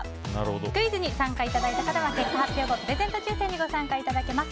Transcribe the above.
クイズに参加いただいた方は結果発表後プレゼント抽選にご参加いただけます。